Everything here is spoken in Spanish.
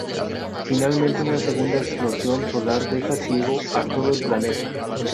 Finalmente una segunda explosión solar deja ciego a todo el planeta.